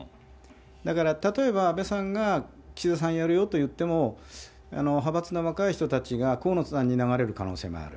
だから、例えば安倍さんが岸田さんやるよと言っても、派閥の若い人たちが河野さんに流れる可能性がある。